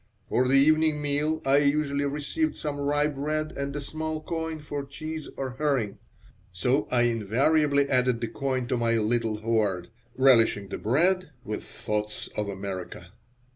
For the evening meal I usually received some rye bread and a small coin for cheese or herring, so I invariably added the coin to my little hoard, relishing the bread with thoughts of America.